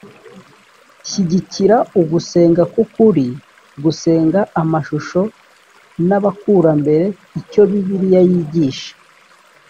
shyigikira ugusenga k ukuri gusenga amashusho n abakurambere icyo bibiliya yigisha